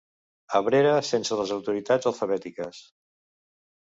Abrera sense les autoritats alfabètiques.